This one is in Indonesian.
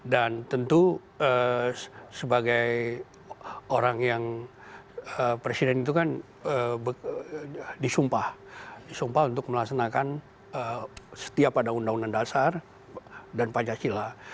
dan tentu sebagai orang yang presiden itu kan disumpah untuk melaksanakan setiap ada undang undang dasar dan pancasila